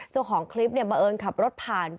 ส่วนของคลิปมาเอิญขับรถผ่าน